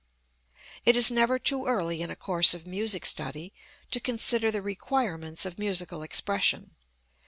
It is never too early in a course of music study to consider the requirements of musical expression.